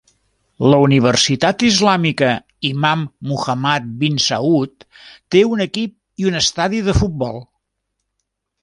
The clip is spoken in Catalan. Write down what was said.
La Universitat Islàmica Imam Muhammad bin Saud té un equip i un estadi de futbol.